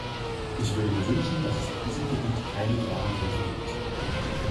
Ich würde mir wünschen, dass es auf diesem Gebiet keine Grabenkämpfe gibt.